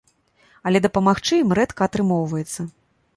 Але дапамагчы ім рэдка атрымоўваецца.